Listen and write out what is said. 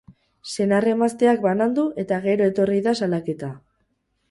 Senar-emazteak banandu eta gero etorri da salaketa.